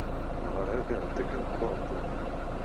Neɣ ahat iɛedda kan ɣer uɛebbuḍ.